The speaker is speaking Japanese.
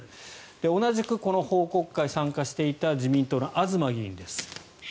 同じくこの報告会に参加していた自民党の東議員です。